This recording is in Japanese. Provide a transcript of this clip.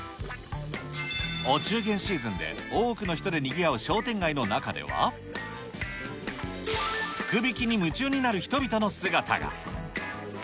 お中元シーズンで、多くの人でにぎわう商店街の中では、福引きに夢中になる人々の姿が。